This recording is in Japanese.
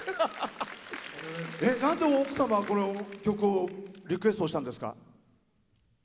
なんで奥様、この曲をリクエストしたんですか？